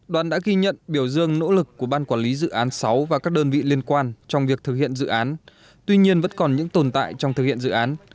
đoàn đã ghi nhận biểu dương nỗ lực của ban quản lý dự án sáu và các đơn vị liên quan trong việc thực hiện dự án tuy nhiên vẫn còn những tồn tại trong thực hiện dự án